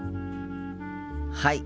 はい。